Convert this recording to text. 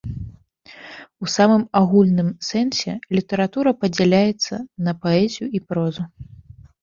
У самым агульным сэнсе літаратура падзяляецца на паэзію і прозу.